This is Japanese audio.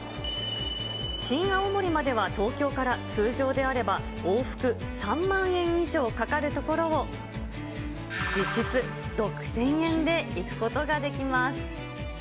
新青森までは東京から通常であれば往復３万円以上かかるところを、実質６０００円で行くことができます。